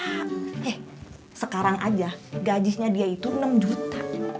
eh sekarang aja gajinya dia itu enam juta